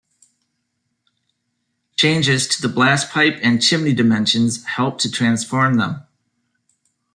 Changes to the blastpipe and chimney dimensions helped to transform them.